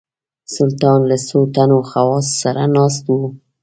سلطان له څو تنو خواصو سره ناست وو.